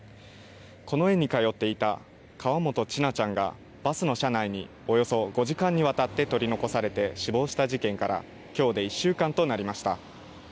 この園に通っていた河本千奈ちゃんがバスの車内におよそ５時間にわたって取り残されて死亡した事件からきょうで１週間となりました。